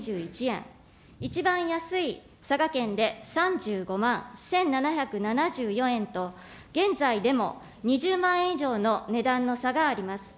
一番安い佐賀県で３５万１７７４円と、現在でも２０万円以上の値段の差があります。